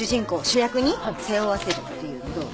主役に背負わせるっていうのどう？